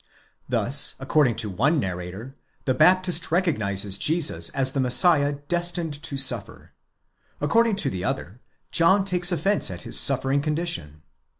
Thus, according to one narrator, the Baptist recognizes Jesus as the Messiah destined to suffer ; according to the other, John takes offence at his suffering condition.